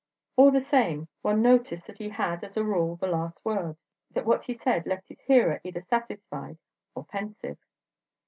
All the same, one noticed that he had, as a rule, the last word, that what he said left his hearer either satisfied or pensive.